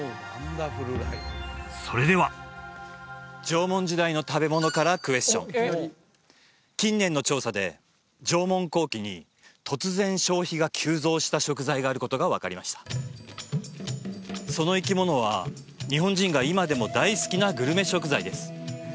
それでは縄文時代の食べ物からクエスチョン近年の調査で縄文後期に突然消費が急増した食材があることが分かりましたその生き物は日本人が今でも大好きなグルメ食材です